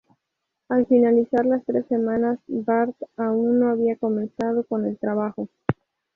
Al finalizar las tres semanas, Bart aún no había comenzado con el trabajo.